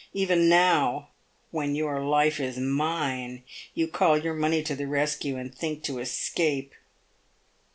Even now, when your life is mine, you call your money to the rescue, and think to escape."